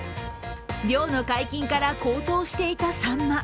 漁の解禁から高騰していたさんま。